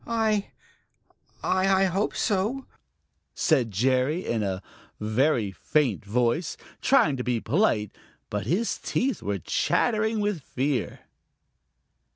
"I I I hope so," said Jerry in a very faint voice, trying to be polite, but with his teeth chattering with fear.